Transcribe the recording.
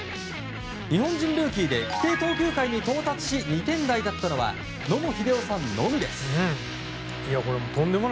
日本人ルーキーで規定投球回に到達し２点台だったのは野茂英雄さんのみです。